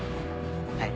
はい。